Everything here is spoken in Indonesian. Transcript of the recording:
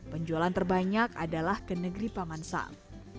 penjualan terbanyak adalah ke negeri paman sam